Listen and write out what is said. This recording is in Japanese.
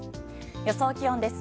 予想気温です。